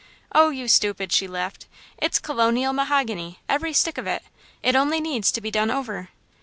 "Oh, you stupid," she laughed, "it's colonial mahogany, every stick of it! It only needs to be done over!"